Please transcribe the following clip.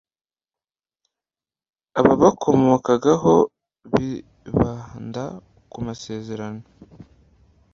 Ababakomokaho bibanda ku masezerano,